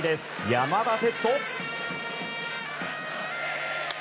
山田哲人！